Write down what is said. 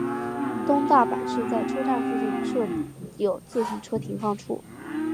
东大阪市在车站附近设有自行车停放处。